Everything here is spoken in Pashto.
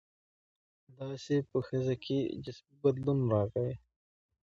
داسې په ښځه کې جسمي بدلون راغى.